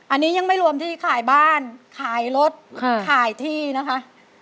อันนี้ยังไม่รวมที่ขายบ้านขายรถขายที่นะคะ